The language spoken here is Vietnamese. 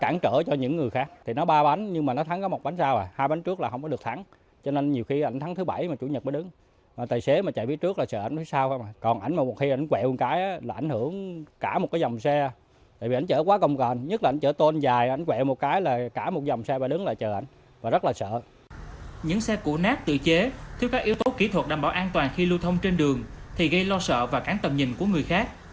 những xe củ nát tự chế thiếu các yếu tố kỹ thuật đảm bảo an toàn khi lưu thông trên đường thì gây lo sợ và cắn tầm nhìn của người khác